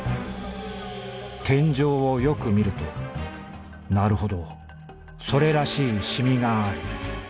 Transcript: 天井をよくみるとなるほどそれらしいシミがある。